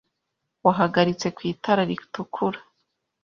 Wahagaritse ku itara ritukura?